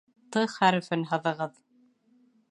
«Т» хәрефен һыҙығыҙ